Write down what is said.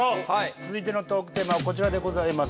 続いてのトークテーマはこちらでございます。